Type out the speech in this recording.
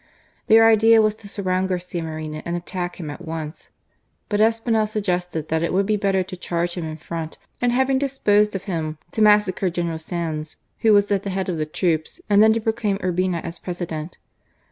Their idea was to surround Garcia Moreno and attack him at once ; but Espinel suggested that it would be better to charge him in front, and having disposed of him, to massacre General Saenz, who was at the head of the troops, and then to proclaim Urbina as President.